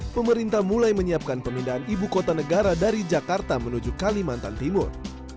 pemerintah mulai menyiapkan pemindahan ibu kota negara dari jakarta menuju kalimantan timur